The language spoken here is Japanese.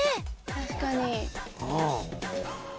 確かに。